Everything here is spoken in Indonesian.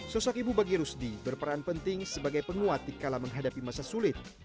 sosok ibu bagi rusdi berperan penting sebagai penguat dikala menghadapi masa sulit